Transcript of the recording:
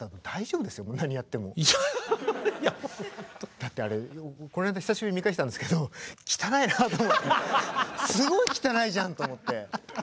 だってあれこの間久しぶりに見返したんですけどすごい汚いじゃんと思って。